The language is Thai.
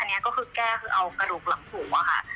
อันนี้ก็คือแก้คือเอากระดูกหลังหูอะค่ะ